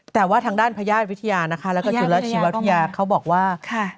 แต่ว่าทางด้านพญาติวิทยานะคะแล้วก็จุลชีววิทยาเขาบอกว่า